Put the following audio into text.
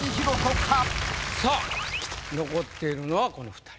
さあ残っているのはこの２人。